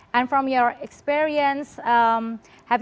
dan dari pengalaman anda